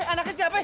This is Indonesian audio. eh anaknya siapin